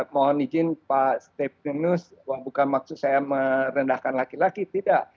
mohon izin pak steprinus bukan maksud saya merendahkan laki laki tidak